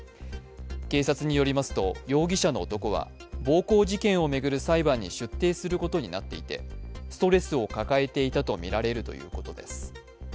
警察によりますと容疑者の男は暴行事件を巡る裁判に出廷することになっていてストレスを抱えていたとみられるということです。